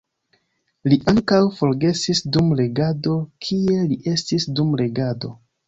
Li ankaŭ forgesis dum legado, kie li estis dum legado.